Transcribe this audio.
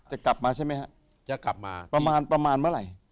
จะกลับมาใช่ไหมประมาณเมื่อไหร่